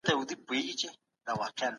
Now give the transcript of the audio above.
په یوه ساعت کې څو دقیقې پلی تګ کفایت کوي.